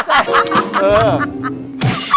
พี่หนุ่มพูดไปแล้ว